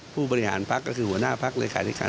ผู้บริหารพักก็คือหัวหน้าพักเลยค่ะ